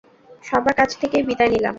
সবার কাছ থেকেই বিদায় নিলাম।